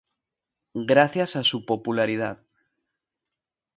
Gracias a su popularidad.